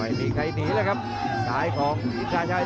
ไม่มีใครหนีแล้วครับซ้ายของอินทราชัย